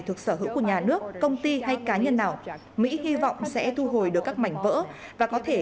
thuộc sở hữu của nhà nước công ty hay cá nhân nào mỹ hy vọng sẽ thu hồi được các mảnh vỡ và có thể